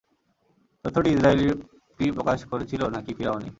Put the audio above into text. তথ্যটি ইসরাঈলীটি প্রকাশ করেছিল, না-কি ফিরআউনী?